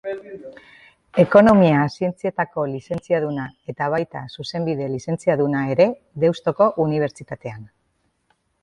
Ekonomia Zientzietako Lizentziaduna eta baita Zuzenbide Lizentziaduna ere Deustuko Unibertsitatean.